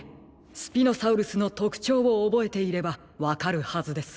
スピノサウルスのとくちょうをおぼえていればわかるはずです。